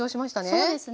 そうですね。